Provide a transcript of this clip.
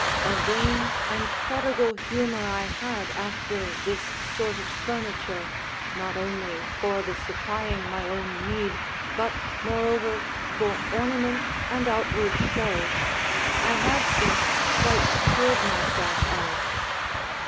A vain and prodigal humour I had after this sort of furniture, not only for the supplying my own need, but, moreover, for ornament and outward show, I have since quite cured myself of.